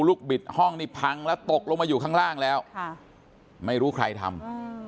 บิดห้องนี่พังแล้วตกลงมาอยู่ข้างล่างแล้วไม่รู้ใครทำ